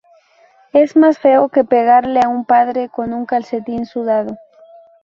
Es más feo que pegarle a un padre con un calcetín sudado